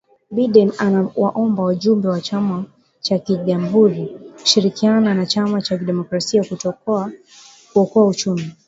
Biden ana waomba wajumbe wa chama cha kijamuhuri kushirikiana na chama cha kidemokrasia kuokoa uchumi